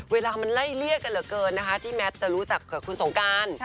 เวลามันไล่เลี่ยกันเหลือเกินนะคะที่แมทจะรู้จักกับคุณสงการ